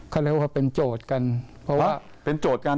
เขาเรียกว่าเป็นโจทย์กันเพราะว่าเป็นโจทย์กัน